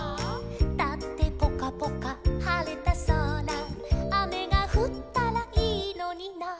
「だってぽかぽかはれたそら」「あめがふったらいいのにな」